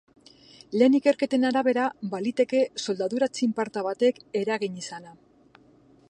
Lehen ikerketen arabera, baliteke soldadura-txinparta batek eragin izana.